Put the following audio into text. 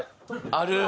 ある？